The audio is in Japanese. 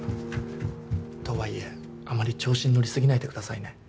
とはいえあまり調子に乗り過ぎないでくださいね。